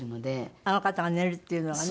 あの方が寝るっていうのがね。